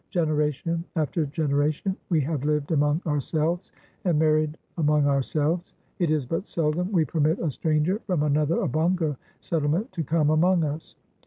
Generation after generation we have lived among ourselves, and married among ourselves. It is but seldom we permit a stranger from another Obongo settlement to come among us."